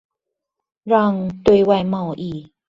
讓對外貿易